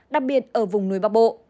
đặc biệt ở vùng núi bắc bộ